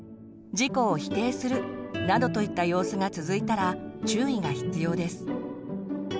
自己を否定するなどといった様子が続いたら注意が必要です。